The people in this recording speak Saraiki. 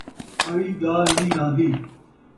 آئی ڳالھ نہیں رہندی